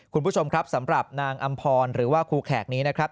คุณผู้ชมครับสำหรับนางอำพรหรือว่าครูแขกนี้นะครับ